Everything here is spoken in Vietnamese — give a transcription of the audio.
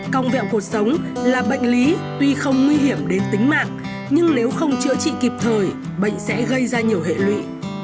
cong vẹo cuộc sống là bệnh lý tuy không nguy hiểm đến tính mạng nhưng nếu không chữa trị kịp thời bệnh sẽ gây ra nhiều hệ lụy